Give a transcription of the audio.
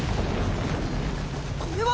これは！